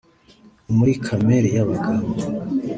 muri kamere y’abagabo